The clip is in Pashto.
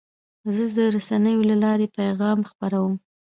زه د رسنیو له لارې پیغام خپروم.